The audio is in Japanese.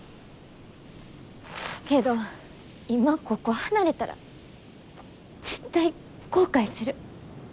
けど今ここ離れたら絶対後悔する。